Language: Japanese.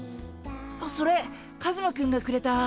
あっそれカズマくんがくれた。